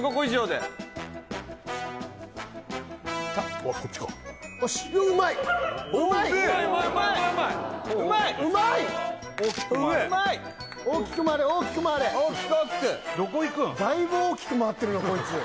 だいぶ大きく回ってるなこいつ